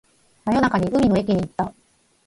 真夜中に海の駅に行った